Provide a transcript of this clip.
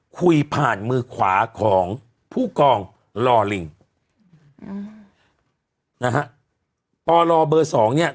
คุยผ่านมือขวาของผู้กองลอลิงอืมนะฮะปลเบอร์สองเนี่ย